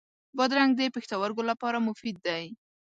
بادرنګ د پښتورګو لپاره مفید دی.